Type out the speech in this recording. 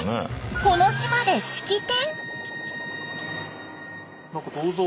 この島で式典？